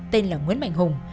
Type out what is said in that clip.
tên là nguyễn mạnh hùng